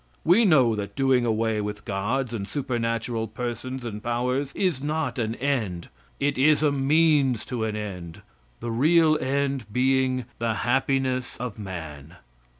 We know that doing away with gods and supernatural persons and powers is not an end. It is a means to an end; the real end being the happiness of man.